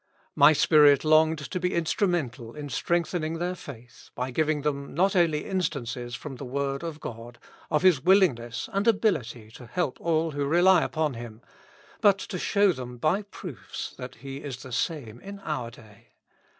" My spirit longed to be instrumental in strengthening their faith, by giving them not only instances from the word of God, of His willingness and ability to help all who rely upon Him, but to shoiv them by proofs that He is the same in our day.